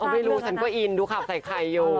ไม่รู้ฉันก็อินดูครับใส่ใครอยู่